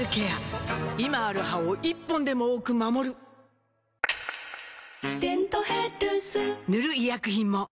今ある歯を１本でも多く守る「デントヘルス」塗る医薬品も